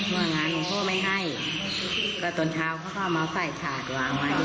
ตอนนี้เทพูลโบกไปแล้วค่ะโบกไปแล้ว